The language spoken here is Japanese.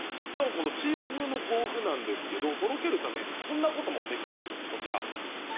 チーズ風の豆腐なんですがとろけるためこんなこともできちゃうんです。